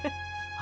あ！